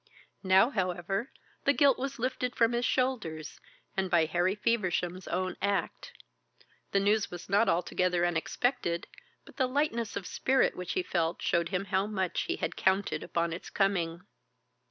Now, however, the guilt was lifted from his shoulders, and by Harry Feversham's own act. The news was not altogether unexpected, but the lightness of spirit which he felt showed him how much he had counted upon its coming.